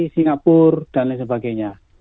singapura dan lain sebagainya